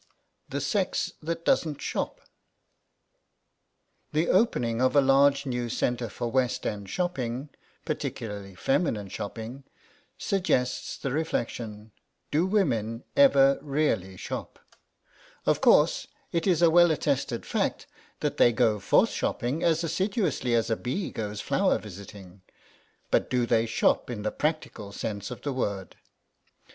THE SEX THAT DOESN'T SHOP THE opening of a large new centre for West End shopping, particularly feminine shopping, suggests the reflection, Do women ever really shop? Of course, it is a well attested fact that they go forth shopping as assiduously as a bee goes flower visiting, but do they shop in the practical sense of the word?